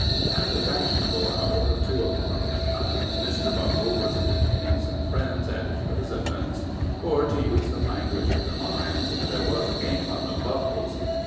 At the fashionable hour of two o'clock at night, Mr. Buffle was entertaining some friends at his residence; or, to use the language of the mines, "there was a game up to Buffle's."